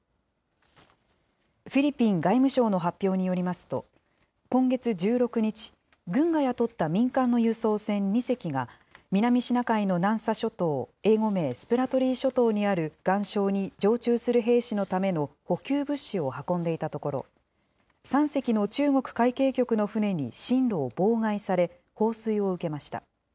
フィリピン外務省の発表によりますと、今月１６日、軍が雇った民間の輸送船２隻が、南シナ海の南沙諸島、英語名、スプラトリー諸島にある岩しょうに常駐する兵士のための補給物資を運んでいたところ、３隻の中国海警局の船に進路を妨害され、放水を受けました。